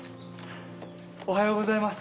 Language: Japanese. おはようございます。